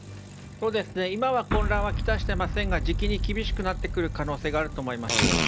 今は混乱はきたしていませんが時期に厳しくなってくる可能性があると思います。